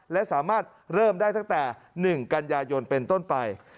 และสามารถเริ่มได้ตั้งแต่๑กันยายนเป็นต้นไป